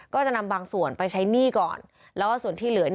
ก็จะนำบางส่วนไปใช้หนี้ก่อนแล้วก็ส่วนที่เหลือ